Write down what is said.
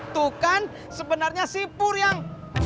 tuh kan sebenernya si pur yang